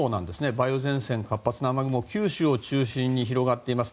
梅雨前線、活発な雨雲が九州を中心に広がっています。